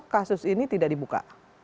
kasus ini tidak dibuka